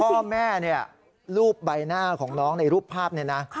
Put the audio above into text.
พ่อแม่เนี่ยรูปใบหน้าของน้องในรูปภาพนี้นะ